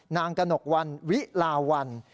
กระหนกวันวิลาวัน